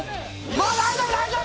もう大丈夫大丈夫！